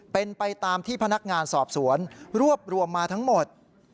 เป็นไปตามที่พนักงานสอบสวนรวบรวมมาทั้งหมด